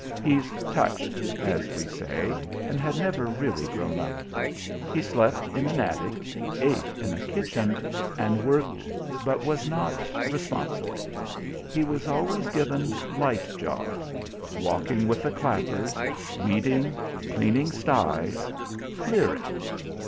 He's "touched," as we say, and had never really grown up. He slept in an attic, ate in a kitchen, and worked, but was not "responsible;" he was always given "light jobs" walking with the "clappers," weeding, cleaning sties, "clearing."